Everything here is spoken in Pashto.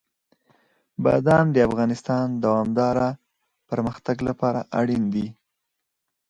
بادام د افغانستان د دوامداره پرمختګ لپاره اړین دي.